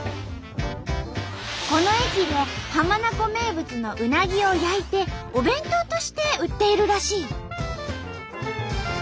この駅で浜名湖名物のうなぎを焼いてお弁当として売っているらしい。